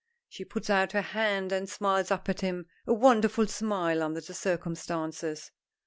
She puts out her hand and smiles up at him, a wonderful smile under the circumstances.